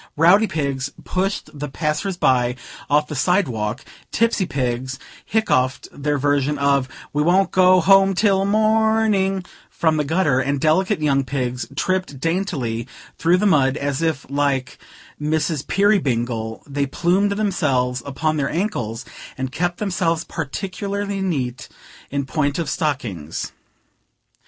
Rowdy pigs pushed the passers by off the side walk; tipsy pigs hiccoughed their version of "We wont go home till morning," from the gutter; and delicate young pigs tripped daintily through the mud, as if, like "Mrs. Peerybingle," they plumed themselves upon their ankles, and kept themselves particularly neat in point of stockings.